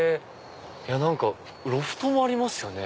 何かロフトもありますよね